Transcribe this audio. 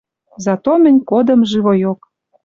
Зато мӹнь кодым живойок.